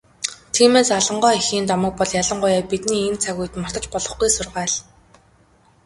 Тиймээс, Алан гоо эхийн домог бол ялангуяа бидний энэ цаг үед мартаж болохгүй сургаал.